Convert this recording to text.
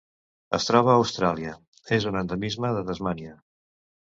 Es troba a Austràlia: és un endemisme de Tasmània.